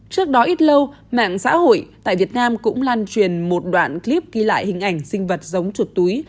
trước đó ít lâu mạng xã hội tại việt nam cũng lan truyền một đoạn clip ghi lại hình ảnh sinh vật giống chuột túi